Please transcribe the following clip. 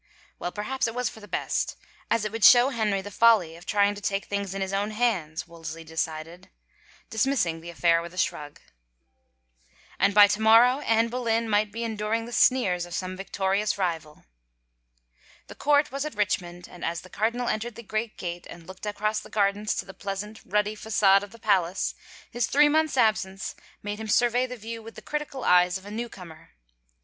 Well, perhaps it was for the best, as it would show Henry the folly of trying to take things in his own hands, Wolsey decided, dismissing the affair with a shrug. And by to morrow Anne Boleyn might be enduring the sneers of some victorious rival. The court was at Richmond and as the cardinal en tered the great gate and looked across the gardens to the pleasant, ruddy fa<;ade of the palace, his three months absence made him survey the view with the critical eyes of a newcomer.